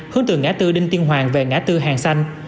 hướng từ ngã tư đinh tiên hoàng về ngã tư hàng xanh